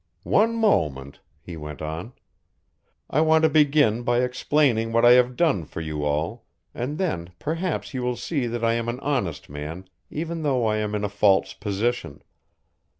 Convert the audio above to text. "One moment," he went on. "I want to begin by explaining what I have done for you all and then perhaps you will see that I am an honest man even though I am in a false position.